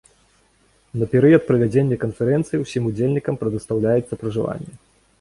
На перыяд правядзення канферэнцыі усім удзельнікам прадастаўляецца пражыванне.